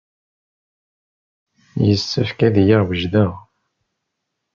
Yessefk ad iliɣ wejdeɣ.